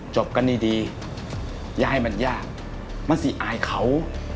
จบกันดีย้ายมันยากมันสิอายเขา